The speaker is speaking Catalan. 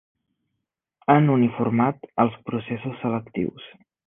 Han uniformat els processos selectius.